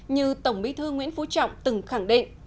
như tổng bí thư nguyễn phú trọng từng khẳng định